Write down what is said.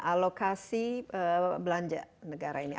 alokasi belanja negara ini